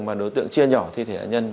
mà đối tượng chia nhỏ thi thể nạn nhân